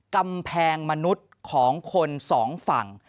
กำแพงมนุษย์ของคนสองฝั่ง